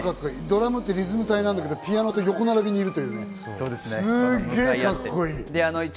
ドラマってリズム帯なんだけど、ピアノと横並びにいる、すげぇカッコいい。